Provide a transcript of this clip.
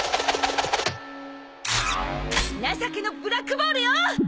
情けのブラックボールよ